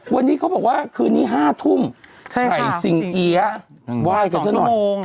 วันนี้เขาบอกว่าคืนนี้ห้าทุ่มใช่ค่ะไข่สิงเอี๊ยะว่ายกันสักหน่อยสองชั่วโมง